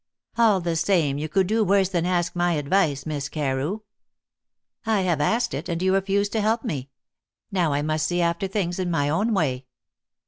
"All the same, you could do worse than ask my advice, Miss Carew." "I have asked it, and you refuse to help me. Now I must see after things in my own way."